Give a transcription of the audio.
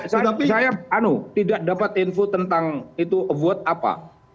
saya tidak dapat info tentang itu avot apa